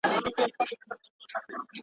زه راغلی یم چي لار نه کړمه ورکه.